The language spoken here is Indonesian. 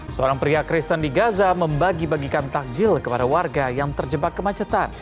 seorang pria kristen di gaza membagi bagikan takjil kepada warga yang terjebak kemacetan